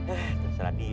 eh terserah dia sih